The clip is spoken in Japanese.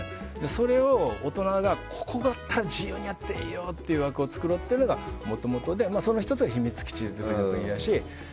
それを大人が、ここだったら自由にやっていいよっていう枠を作ろうっていうのがもともとでその１つが秘密基地作りだし。